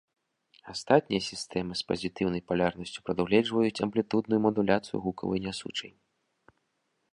Астатнія сістэмы з пазітыўнай палярнасцю прадугледжваюць амплітудную мадуляцыю гукавой нясучай.